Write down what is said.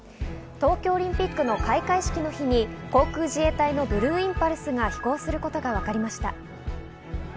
東京オリンピックの開会式の日に航空自衛隊のブルーインパルスが飛行することがわかりました。